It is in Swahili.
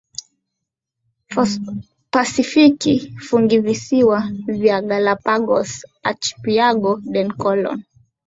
Pasifiki Funguvisiwa vya Galapagos Archipiélago de Colón